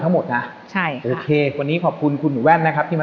ทั้งหมดนะใช่โอเควันนี้ขอบคุณคุณหนูแว่นนะครับที่มา